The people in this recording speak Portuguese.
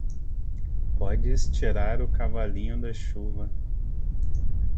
Podes tirar o cavalinho da chuva.